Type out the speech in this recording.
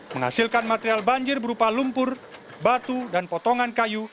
menghasilkan material banjir berupa lumpur batu dan potongan kayu